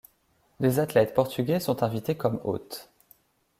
Des athlètes portugais sont invités comme hôtes.